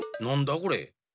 これ。